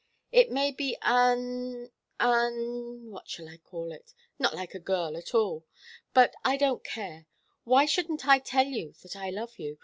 It may be un un what shall I call it not like a girl at all. But I don't care. Why shouldn't I tell you that I love you?